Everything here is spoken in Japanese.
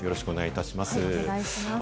よろしくお願いします。